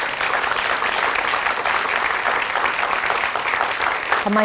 น้องป๋องเลือกเรื่องระยะทางให้พี่เอื้อหนุนขึ้นมาต่อชีวิต